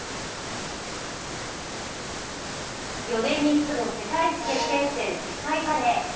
４年に一度の世界一決定戦・世界バレー。